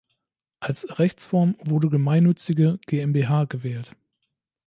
Als Rechtsform wurde gemeinnützige GmbH gewählt.